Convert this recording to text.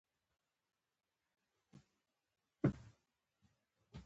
د وخت مدیریت د بریالي کیدو لومړنی شرط دی.